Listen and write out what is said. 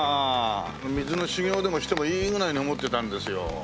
水の修行でもしてもいいぐらいに思ってたんですよ。